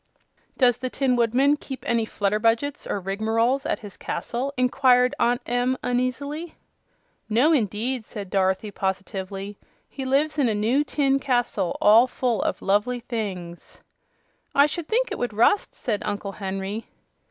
"Does the Tin Woodman keep any Flutterbudgets or Rigmaroles at his castle?" inquired Aunt Em, uneasily. "No indeed," said Dorothy, positively. "He lives in a new tin castle, all full of lovely things." "I should think it would rust," said Uncle Henry.